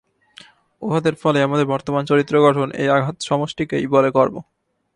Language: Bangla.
উহাদের ফলেই আমাদের বর্তমান চরিত্র গঠন, এই আঘাত-সমষ্টিকেই বলে কর্ম।